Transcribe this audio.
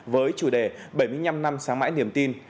với chủ đề bảy mươi năm năm sáng mãi niềm tin